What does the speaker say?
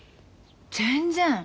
全然。